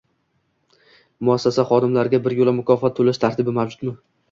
muassasa xodimlariga bir yo‘la mukofot to‘lash tartibi mavjudmi?